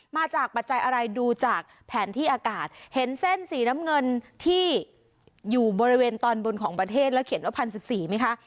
ปัจจัยอะไรดูจากแผนที่อากาศเห็นเส้นสีน้ำเงินที่อยู่บริเวณตอนบนของประเทศแล้วเขียนว่า๑๐๑๔ไหมคะ